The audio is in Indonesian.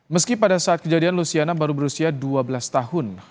meski pada saat kejadian luciana baru berusia dua belas tahun